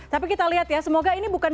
tapi kita lihat ya semoga ini bukan